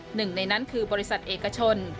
หนึ่งในนั้นคือบริษัทเอกชน